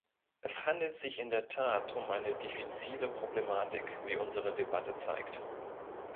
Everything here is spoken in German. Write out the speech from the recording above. Es handelt sich in der Tat um eine diffizile Problematik, wie unsere Debatte zeigt.